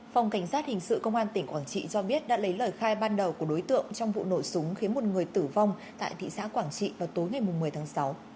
phòng cảnh sát hình sự công an tỉnh quảng trị cho biết đã lấy lời khai ban đầu của đối tượng trong vụ nổ súng khiến một người tử vong tại thị xã quảng trị vào tối ngày một mươi tháng sáu